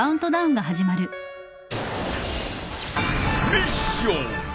ミッション！